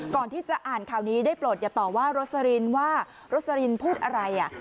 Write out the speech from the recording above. ก่อนที่จะอ่านข่าวนี้ได้โปรดอย่าต่อว่ารสลินว่าโรสลินพูดอะไร